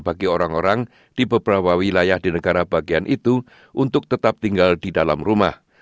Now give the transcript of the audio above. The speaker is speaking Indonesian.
bagi orang orang di beberapa wilayah di negara bagian itu untuk tetap tinggal di dalam rumah